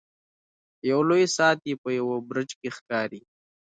یو لوی ساعت یې په یوه برج کې ښکاري.